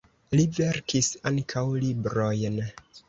Li verkis ankaŭ librojn.